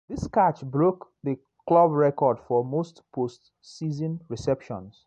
This catch broke the club record for most postseason receptions.